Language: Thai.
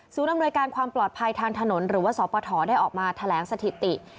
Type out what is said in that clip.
อำนวยการความปลอดภัยทางถนนหรือว่าสปฐได้ออกมาแถลงสถิติ